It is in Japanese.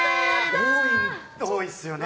多いっすよね。